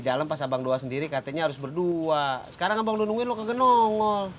dalam pas abang doa sendiri katanya harus berdua sekarang abang nungguin lo ke nongol